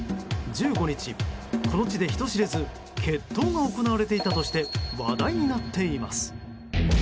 １５日、この地で人知れず決闘が行われていたとして話題になっています。